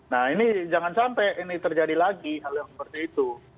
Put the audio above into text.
nah ini jangan sampai ini terjadi lagi hal yang seperti itu